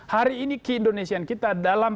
hari ini keindonesian kita dalam